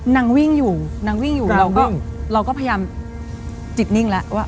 นางวิ่งอยู่เราก็พยายามจิตนิ่งแล้วว่า